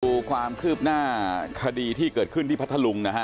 ดูความคืบหน้าคดีที่เกิดขึ้นที่พัทธลุงนะฮะ